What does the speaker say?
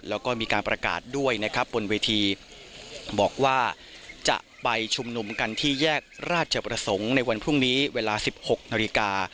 แล้วก็มีการประกาศด้วยนะครับบนเวทีบอกว่าจะไปชุมนุมกันที่แยกราชประสงค์ในวันพรุ่งนี้เวลา๑๖นาฬิกา